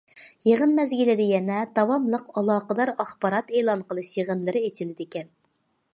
يىغىن مەزگىلىدە يەنە داۋاملىق ئالاقىدار ئاخبارات ئېلان قىلىش يىغىنلىرى ئېچىلىدىكەن.